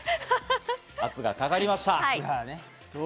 圧がかかりました。